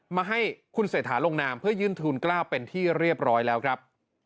มาให้คุณเศรษฐาลงนามเพื่อยื่นทูล๙เป็นที่เรียบร้อยแล้วครับ